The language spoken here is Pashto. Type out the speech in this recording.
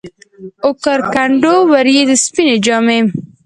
اوکر کنډو ، وریځو سپيني جامې